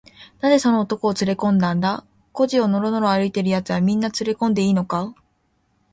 「なぜその男をつれこんだんだ？小路をのろのろ歩いているやつは、みんなつれこんでいいのか？」